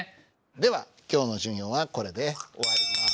では今日の授業はこれで終わります。